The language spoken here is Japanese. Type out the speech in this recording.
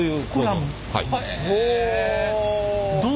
はい。